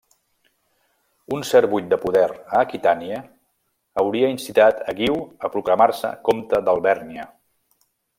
Un cert buit de poder a Aquitània hauria incitat a Guiu a proclamar-se comte d'Alvèrnia.